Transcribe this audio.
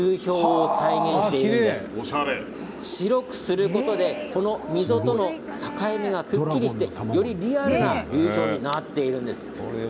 白くすることで溝との境がくっきりしてよりリアルなリース状になっているんです。